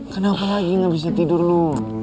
kenapa lagi nggak bisa tidur lu